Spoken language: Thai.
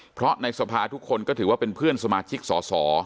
เพราะในสภาทุกคนก็ถือว่าเป็นเพื่อนสมาชิกสอสอ